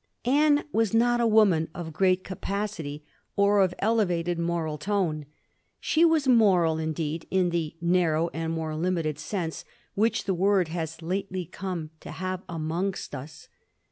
Anne was not a woman of great capacity, or of elevated moral tone. She was moral indeed in the narrow and more limited sense which the word has lately come to have amongst ns.